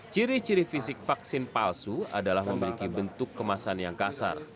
ciri ciri fisik vaksin palsu adalah memiliki bentuk kemasan yang kasar